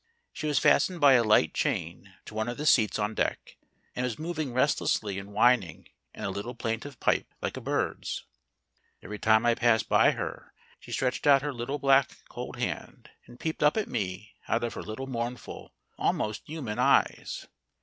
She was fastened by a light chain to one of the seats on deck, and was moving restlessly and whining in a little plaintive pipe like a bird's. Every time I passed by her she stretched out her little, black, cold hand, and peeped up at me out of her little mournful, almost human eyes.